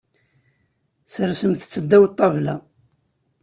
Sersemt-tt ddaw ṭṭabla.